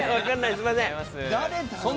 すいません。